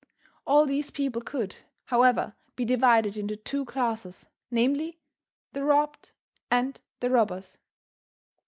All these people could, however, be divided into two classes, namely, the robbed and the robbers.